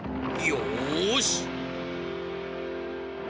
よし！